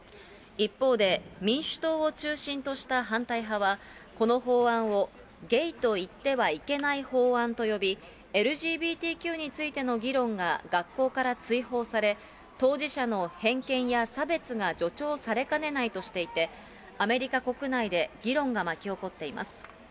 一方で、民主党を中心とした反対派は、この法案をゲイと言ってはいけない法案と呼び、ＬＢＧＴＱについての議論が学校から追放され、当事者の偏見や差別が助長されかねないとしていて、アメリカ国内で議論が巻き起こっています。